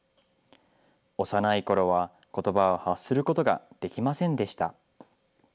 幼いころはことばを発することができませんでした。